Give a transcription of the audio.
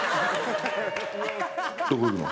どこ行くん？